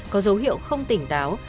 có dấu hiệu không tỉnh táo